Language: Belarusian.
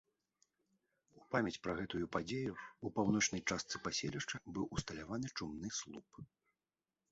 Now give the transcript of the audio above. У памяць пра гэту падзею ў паўночнай частцы паселішча быў усталяваны чумны слуп.